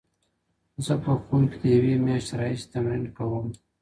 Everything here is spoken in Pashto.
زه په کور کې د یوې میاشتې راهیسې تمرین کوم.